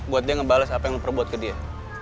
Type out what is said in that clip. buat dia ngebales apa yang lo perbuat ke dia